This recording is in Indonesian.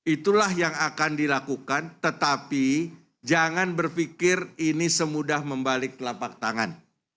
itulah yang akan dilakukan tetapi jangan berpikir ini semudah membalik telapak tangan